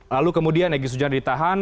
lalu kemudian egy sujana ditahan